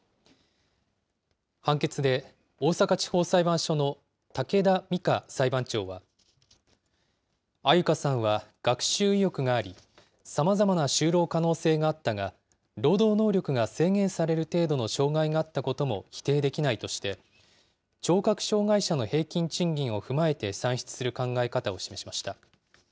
判決で大阪地方裁判所の武田瑞佳裁判長は、安優香さんは学習意欲があり、さまざまな就労可能性があったが、労働能力が制限される程度の障害があったことも否定できないとして、聴覚障害者の平均賃金を踏まえて算出する考え方を示しました。